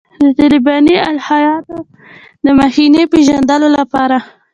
د طالباني الهیاتو د مخینې پېژندلو لپاره.